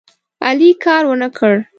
علي کار ونه کړ.